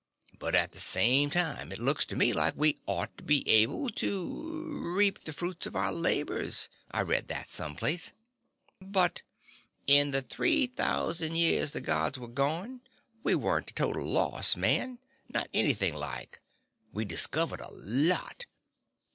But at the same time, it looks to me like we ought to be able to reap the fruits of our labors. I read that some place." "But " "In the three thousand years the Gods were gone, we weren't a total loss, man. Not anything like. We discovered a lot.